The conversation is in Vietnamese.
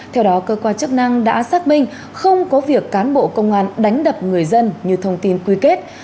theo đó cơ quan chức năng đã xác minh không có việc cán bộ công an đánh đập người dân như thông tin quy kết